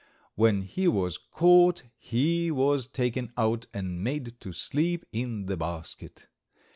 When he was caught he was taken out and made to sleep in the basket.